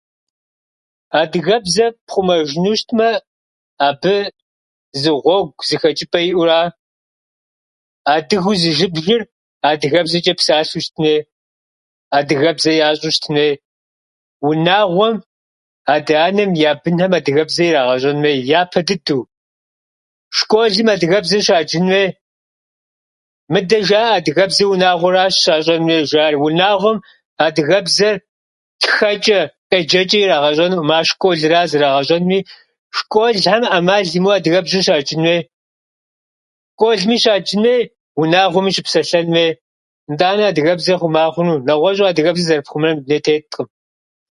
Адыгэбзэр пхъумэжыну щытмэ, абы зы гъуэгу, зы хэчӏыпӏэ иӏэу ара. Адыгэу зызыбжыр адыгэбзэчӏэ псалъэу щытын хуей, адыгэбзэ ящӏэу щытын хуей. Унагъуэм адэ-анэм я бынхьэм адыгэбзэ ирагъэщӏэн хуей япэ дыдэу. Школым адыгэбзэ щаджын хуей. Мыдэ жаӏэ адыгэбзэр унагъуэращ щащӏэн хуейр, жари. Унагъуэм адыгэбзэр тхэчӏэ, къеджэчӏэ ирагъэщӏэнуӏым. Ар школыращ зарагъэщӏэнури, школхьэм ӏэмал имыӏэу, адыгэбзэ щаджын хуей. Школми щаджын хуей, унагъуэми щыпсэлъэн хуей. Итӏанэ адыгэбзэр хъума хъуну. Нэгъуэщӏу адыгэбзэр зэрыпхъумэн дунейм теткъым.